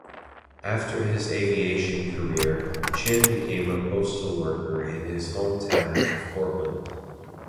After his aviation career, Chin became a postal worker in his hometown of Portland.